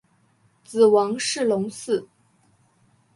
子王士隆嗣。